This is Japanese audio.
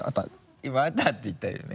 今「あた」って言ったよね？